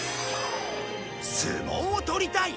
相撲を取りたい？